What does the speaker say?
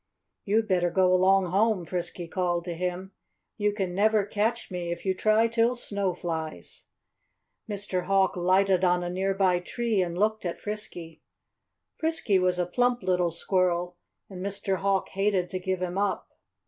"You'd better go along home," Frisky called to him. "You can never catch me, if you try till snow flies." Mr. Hawk lighted on a near by tree and looked at Frisky. Frisky was a plump little squirrel and Mr. Hawk hated to give him up.